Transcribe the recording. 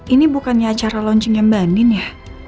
ini bukannya acara launchingnya mbak din ya